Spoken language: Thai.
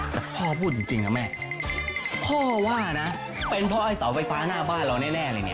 แต่พ่อพูดจริงนะแม่พ่อว่านะเป็นเพราะไอ้เสาไฟฟ้าหน้าบ้านเราแน่เลยเนี่ย